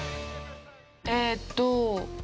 えーっと。